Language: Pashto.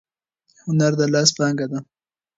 هنر د لاس پانګه ده.